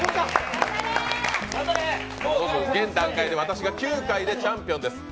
現段階で私が９回でチャンピオンです。